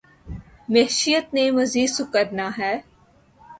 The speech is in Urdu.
معیشت نے مزید سکڑنا ہے۔